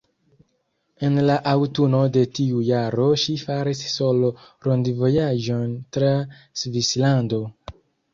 En la aŭtuno de tiu jaro ŝi faris solo-rondvojaĝon tra Svislando.